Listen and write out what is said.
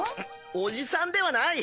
おじさんではない！